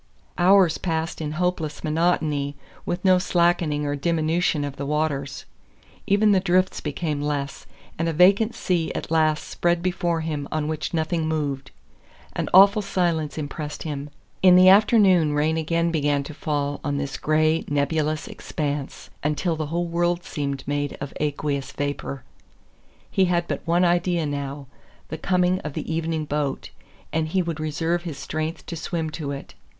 Hours passed in hopeless monotony, with no slackening or diminution of the waters. Even the drifts became less, and a vacant sea at last spread before him on which nothing moved. An awful silence impressed him. In the afternoon rain again began to fall on this gray, nebulous expanse, until the whole world seemed made of aqueous vapor. He had but one idea now the coming of the evening boat, and he would reserve his strength to swim to it.